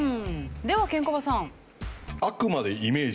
ではケンコバさん。